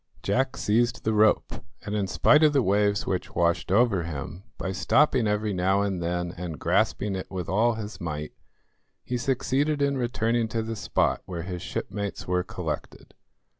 Jack seized the rope, and in spite of the waves which washed over him, by stopping every now and then and grasping it with all his might, he succeeded in returning to the spot where his shipmates were collected.